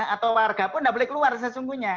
atau warga pun tidak boleh keluar sesungguhnya